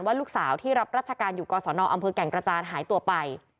ลูกสาวที่รับรัชการอยู่กศนอำเภอแก่งกระจานหายตัวไป